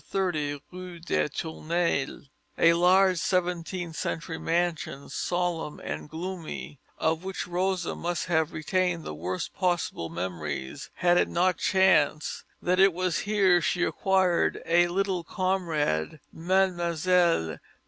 30 Rue des Tournelles, a large seventeenth century mansion, solemn and gloomy, of which Rosa must have retained the worst possible memories had it not chanced that it was here she acquired a little comrade, Mlle.